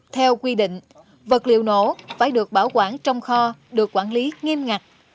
theo quy định vật liệu nổ phải được bảo quản trong kho được quản lý nghiêm ngặt